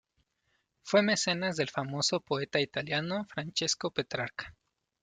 Fue mecenas del famoso poeta italiano Francesco Petrarca.